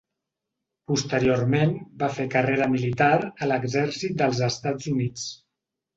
Posteriorment va fer carrera militar a l'Exèrcit dels Estats Units.